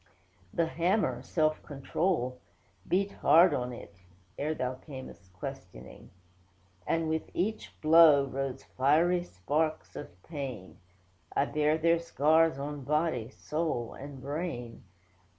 'The hammer, Self Control, beat hard on it; (Ere Thou cam'st questioning,) And with each blow, rose fiery sparks of pain; I bear their scars, on body, soul, and brain.